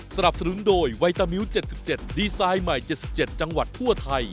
สนับสนุนโดยไวตามิว๗๗ดีไซน์ใหม่๗๗จังหวัดทั่วไทย